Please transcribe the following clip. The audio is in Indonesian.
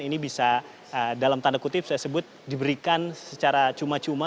ini bisa dalam tanda kutip saya sebut diberikan secara cuma cuma